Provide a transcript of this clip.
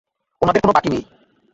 ওনাদের কোনো বাকি নেই।